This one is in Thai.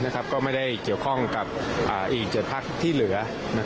ก็ไม่ได้เกี่ยวข้องกับอีก๗พักที่เหลือ